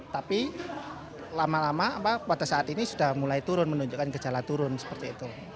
tapi lama lama pada saat ini sudah mulai turun menunjukkan gejala turun seperti itu